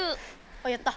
あやった。